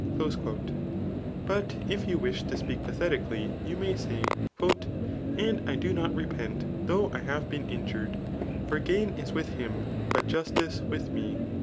'* But if you wish to speak pathetically, you may say, ^^ And I do not repent though I have beaa injured ; for gain is with him, but justice with me.''